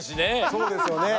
そうですよね